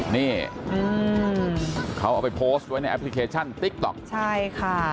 นี่เขาเอาไปโพสต์ไว้ในแอปพลิเคชันติ๊กต๊อกใช่ค่ะ